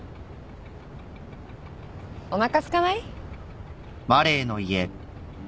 おなかすかない？